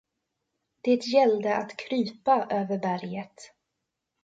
Det gällde att krypa över berget.